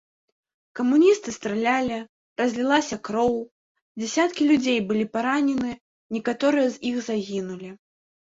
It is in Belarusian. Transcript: Камуністы стралялі, разлілася кроў, дзясяткі людзей былі паранены, некаторыя з іх загінулі.